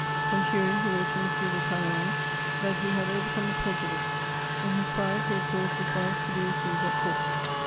From Turin he wrote to M. de Talleyrand, that he had overcome a prejudice 2 in his pride, he had caused his wife to be received at court.